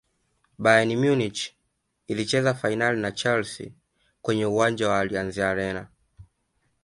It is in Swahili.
bayern munich ilicheza fainali na Chelsea kwenye uwanja allianz arena